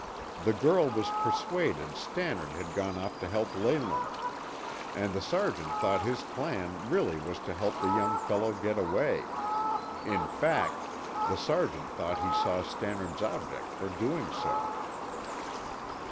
The girl was persuaded Stannard had gone to help Leyland, and the sergeant thought his plan really was to help the young fellow get away. In fact, the sergeant thought he saw Stannard's object for doing so.